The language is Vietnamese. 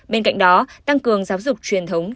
bên cạnh đó tăng cường giáo dục truyền thống